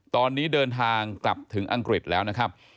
ตอนนี้เดินทางกลับถึงอังกฤษแล้วนะครับ